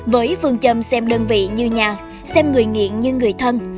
với phương châm xem đơn vị như nhà xem người nghiện như người thân